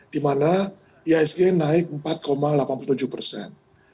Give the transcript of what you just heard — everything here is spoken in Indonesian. dimana isg naik empat delapan puluh tujuh persen